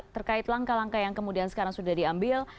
terkait langkah langkah yang kemudian sekarang sudah diambil